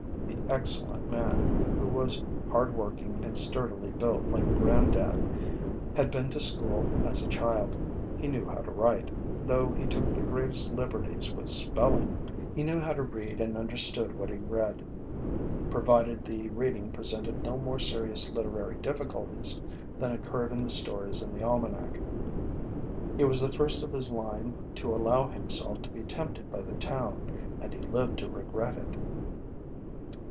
The excellent man, who was hard working and sturdily built like granddad, had been to school as a child. He knew how to write, though he took the greatest liberties with spelling; he knew how to read and understood what he read, provided the reading presented no more serious literary difficulties than occurred in the stories in the almanac. He was the first of his line to allow himself to be tempted by the town and he lived to regret it.